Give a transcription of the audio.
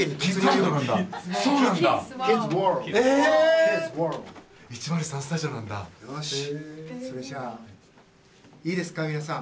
よしそれじゃあいいですか皆さん。